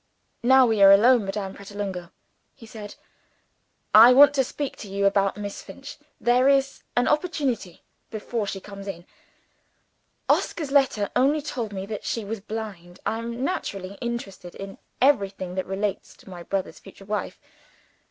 "Now we are alone, Madame Pratolungo," he said, "I want to speak to you about Miss Finch. There is an opportunity, before she comes in. Oscar's letter only told me that she was blind. I am naturally interested in everything that relates to my brother's future wife.